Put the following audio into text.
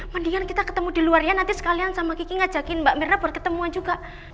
mendingan kita ketemu di luar ya nanti sekalian sama kiki ngajakin mbak mirna buat ketemuan juga